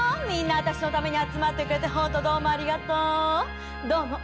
みんな私のために集まってくれて、本当どうもありがとう。